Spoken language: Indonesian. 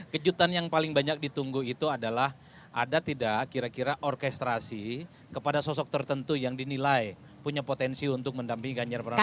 kejutan yang paling banyak ditunggu itu adalah ada tidak kira kira orkestrasi kepada sosok tertentu yang dinilai punya potensi untuk mendampingi ganjar pranowo